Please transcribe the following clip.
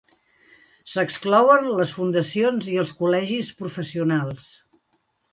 S'exclouen les fundacions i els col·legis professionals.